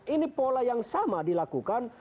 ini pola yang sama dilakukan